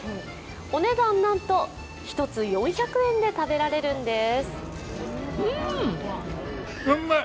お値段なんと１つ４００円で食べられるんです。